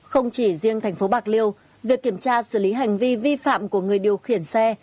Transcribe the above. không chỉ riêng thành phố bạc liêu việc kiểm tra xử lý hành vi vi phạm của người điều khiển xe